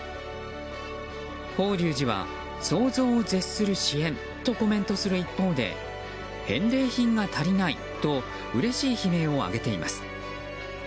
法隆寺は想像を絶する支援とコメントする一方で返礼品が足りないとうれしい悲鳴を上げています。